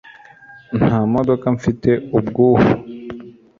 Nta modoka mfite ubguhu